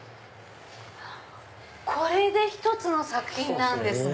これで１つの作品なんですね。